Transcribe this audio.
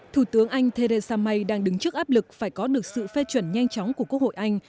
thủ tướng anh theresa may đang đứng trước áp lực phải có được sự phê chuẩn nhanh chóng của quốc hội anh